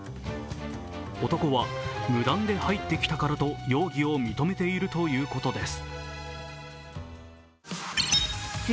男は無断で入ってきたからと容疑を認めているということです。